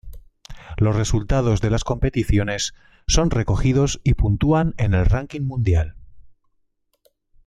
Los resultados de las competiciones son recogidos y puntúan en el ranking mundial.